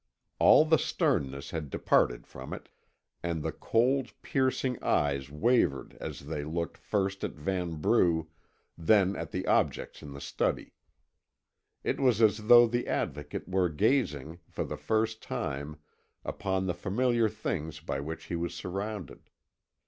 All the sternness had departed from it, and the cold, piercing eyes wavered as they looked first at Vanbrugh, then at the objects in the study. It was as though the Advocate were gazing, for the first time, upon the familiar things by which he was surrounded.